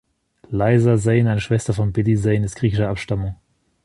Lisa Zane, eine Schwester von Billy Zane, ist griechischer Abstammung.